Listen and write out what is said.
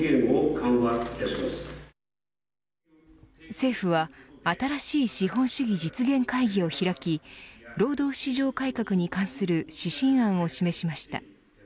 政府は新しい資本主義実現会議を開き労働市場改革に関する指針案を示しました。